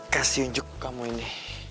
kasih munjuk kamu ini